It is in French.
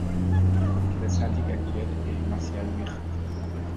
Le syndic actuel est Martial Wicht.